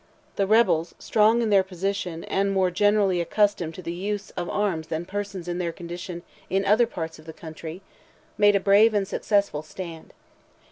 The rebels, strong in their position, and more generally accustomed to the use of arms than persons in their condition in other parts of the country, made a brave and successful stand.